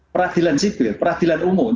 peradilan sipil peradilan umum